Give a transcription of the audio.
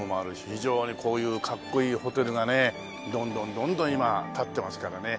非常にこういうかっこいいホテルがねどんどんどんどん今建ってますからね。